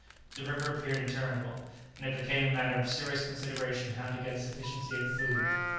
The river appeared interminable, and it became a matter of serious consideration how to get a sufficiency of food.